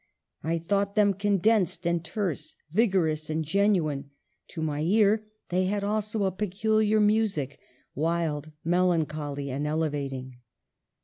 I thought them condensed and terse, vigorous and genuine. To my ear, they had also a peculiar music, wild, melancholy, and elevating."